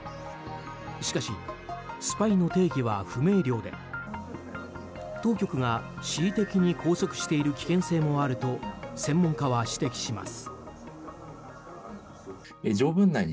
しかし、スパイの定義は不明瞭で当局が恣意的に拘束している危険性もあると専門家は指摘します。